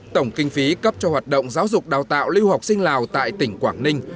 tổng kinh phí cấp cho hoạt động giáo dục đào tạo lưu học sinh lào tại tỉnh quảng ninh